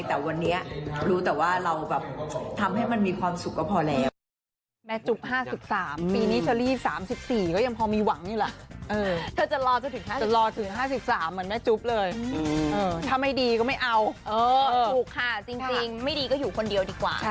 แต่วันนี้รู้แต่ว่าเราแบบทำให้มันมีความสุขก็พอแล้ว